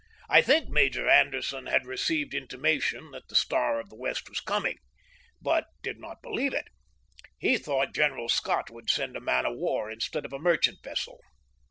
I think Major Anderson had received an intimation that the Star of the West was coming, but did not believe it. He thought General Scott would send a man of war instead of a merchant vessel.